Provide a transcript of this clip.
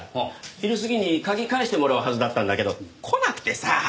昼過ぎに鍵返してもらうはずだったんだけど来なくてさあ。